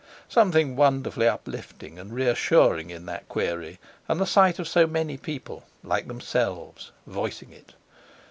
Something wonderfully uplifting and reassuring in that query and the sight of so many people like themselves voicing it!